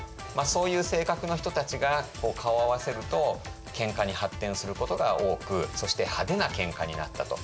そういう性格の人たちが顔を合わせると喧嘩に発展することが多くそして派手な喧嘩になったと。